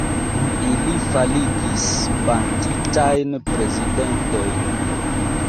Ili faligis banditajn prezidentojn.